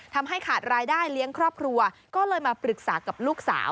ทำให้ขาดรายได้เลี้ยงครอบครัวก็เลยมาปรึกษากับลูกสาว